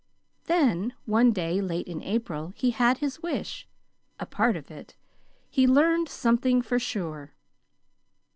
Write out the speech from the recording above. Then one day late in April, he had his wish a part of it: he learned "something for sure."